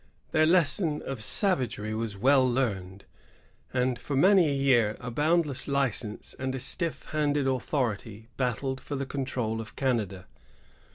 Their lesson of savagery was well learned, and for many a year a boundless license and a stiff handed authority battled for the control of Canada.